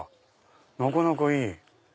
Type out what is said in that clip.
なかなかいい！